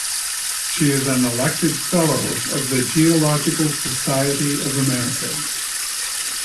She is an elected fellow of the Geological Society of America.